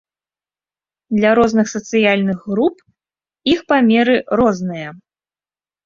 Для розных сацыяльных груп іх памеры розныя.